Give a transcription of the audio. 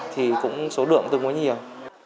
thì cũng số đượng tương đối nhiều